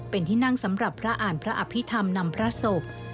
เป็นที่นั่งสำหรับพระอ่านพระอภิษฐรรมนำพระศพ